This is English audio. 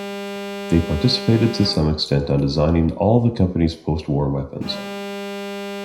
They participated to some extent on designing all the company's post-war weapons.